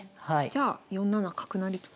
じゃあ４七角成と。